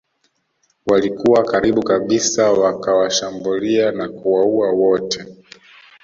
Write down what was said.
Walikuwa karibu kabisa wakawashambulia na kuwaua wote